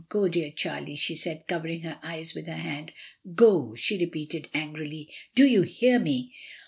Go, dear Charlie ," she said, covering her eyes with her hand. "Go," she repeated angrily. "Do you hear me?"